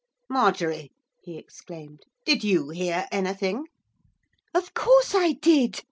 'Marjorie!' he exclaimed. 'Did you hear anything?' 'Of course I did.